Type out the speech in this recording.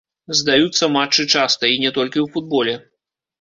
Здаюцца матчы часта, і не толькі ў футболе.